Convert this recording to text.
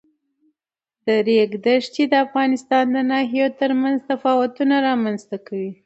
د ریګ دښتې د افغانستان د ناحیو ترمنځ تفاوتونه رامنځ ته کوي.